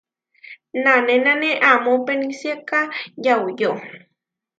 Nanénane amó peniásika yauyó.